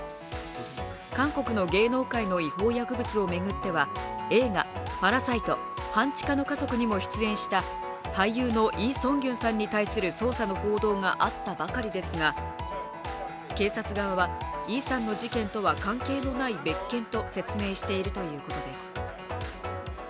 韓国の芸能界の違法薬物を巡っては、映画「パラサイト半地下の家族」にも出演した俳優のイ・ソンギュンさんに対する捜査の報道があったばかりですが警察側はイさんの事件とは関係のない別件と説明しているということです。